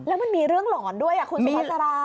แล้วมันมีเรื่องหลอนด้วยคุณสุภาษารา